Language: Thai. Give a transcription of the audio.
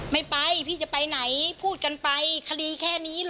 ไม่ไปพี่จะไปไหนพูดกันไปคดีแค่นี้เหรอ